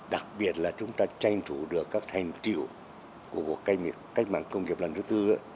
đặc biệt là chúng ta tranh thủ được các thành triệu của cách mạng công nghiệp lần thứ tư